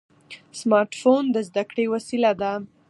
سمارټ فون د زده کړې وسیله ده.